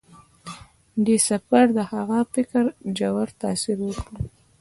دې سفر د هغه په فکر ژور تاثیر وکړ.